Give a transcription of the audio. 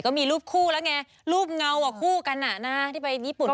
ก็มีรูปคู่แล้วไงรูปเงาออกคู่กันนะที่ไปญี่ปุ่นคราวนี้แล้ว